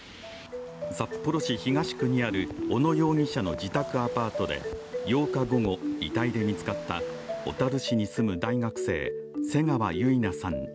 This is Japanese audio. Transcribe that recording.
札幌市東区にある小野容疑者の自宅アパートで８日午後、遺体で見つかった小樽市に住む大学生瀬川結菜さん